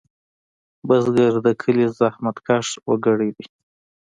بزګر د کلي زحمتکش وګړی دی